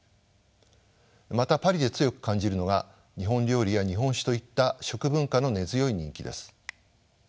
またパリで強く感じるのが日本料理や日本酒といった食文化の根強い人気です。